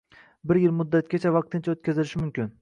bir yil muddatgacha vaqtincha o‘tkazilishi mumkin